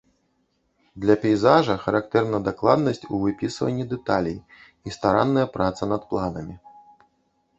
Для пейзажа характэрна дакладнасць у выпісванні дэталей і старанная праца пад планамі.